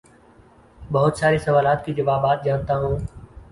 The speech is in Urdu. بہت سارے سوالات کے جوابات جانتا ہوں